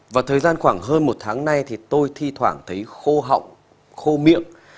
vào thời gian khoảng hơn một tháng nay thì tôi thi thoảng thấy khô họng khô miệng